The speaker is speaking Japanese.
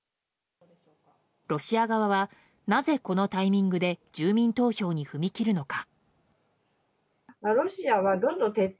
ロシア側はなぜ、このタイミングで住民投票に踏み切るのか。